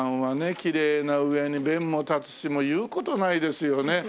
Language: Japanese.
きれいな上に弁も立つしもう言う事ないですよね。